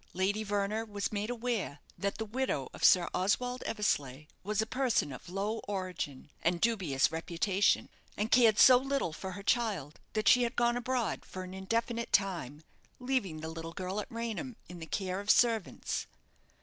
Lady Verner was made aware that the widow of Sir Oswald Eversleigh was a person of low origin, and dubious reputation, and cared so little for her child that she had gone abroad, for an indefinite time, leaving the little girl at Raynham, in the care of servants.